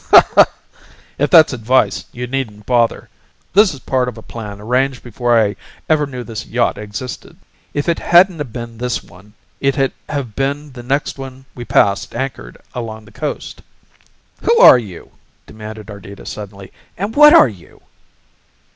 "If that's advice you needn't bother. This is part of a plan arranged before I ever knew this yacht existed. If it hadn't been this one it'd have been the next one we passed anchored along the coast." "Who are you?" demanded Ardita suddenly. "And what are you?"